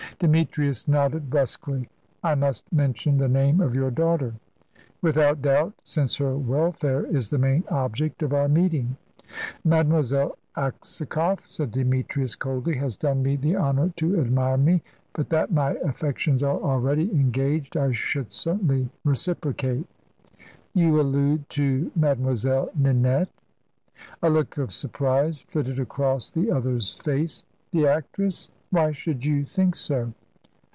Demetrius nodded brusquely. "I must mention the name of your daughter." "Without doubt, since her welfare is the main object of our meeting." "Mademoiselle Aksakoff," said Demetrius, coldly, "has done me the honour to admire me. But that my affections are already engaged, I should certainly reciprocate." "You allude to Mademoiselle Ninette?" A look of surprise flitted across the other's face. "The actress? Why should you think so?"